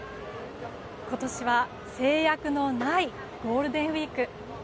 今年は制約のないゴールデンウィーク。